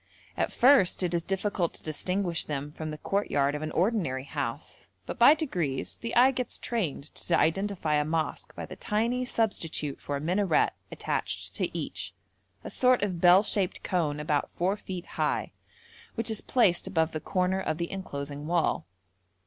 At first it is difficult to distinguish them from the courtyard of an ordinary house, but by degrees the eye gets trained to identify a mosque by the tiny substitute for a minaret attached to each, a sort of bell shaped cone about four feet high, which is placed above the corner of the enclosing wall.